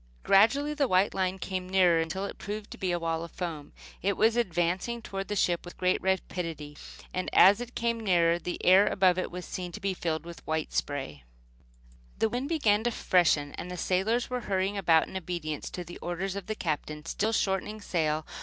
Gradually the white line came nearer, until it proved to be a wall of foam. It was advancing toward the ship with great rapidity; and as it came nearer the air above it was seen to be filled with flying spray. The wind began to freshen, and the sailors were hurrying about in obedience to the orders of the Captain, still shortening sail.